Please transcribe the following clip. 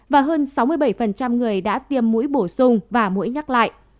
và hơn sáu mươi bảy người đã tiêm mũi bổ sung và mũi nhắc lại